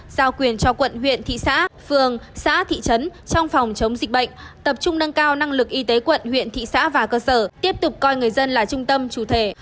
giao quyền cho quận huyện thị xã phường xã thị trấn trong phòng chống dịch bệnh tập trung nâng cao năng lực y tế quận huyện thị xã và cơ sở tiếp tục coi người dân là trung tâm chủ thể